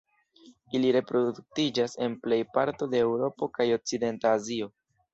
Ili reproduktiĝas en plej parto de Eŭropo kaj okcidenta Azio.